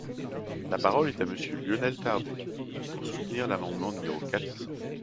La parole est à Monsieur Lionel Tardy, pour soutenir l’amendement numéro quatre cents.